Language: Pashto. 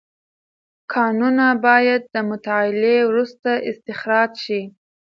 کانونه باید د مطالعې وروسته استخراج شي.